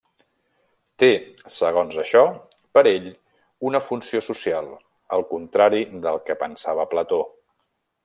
Té, segons això, per a ell, una funció social, al contrari del que pensava Plató.